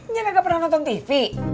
dia gak pernah nonton tv